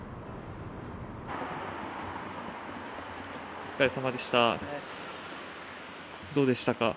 お疲れさまでしたお疲れですどうでしたか？